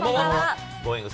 Ｇｏｉｎｇ！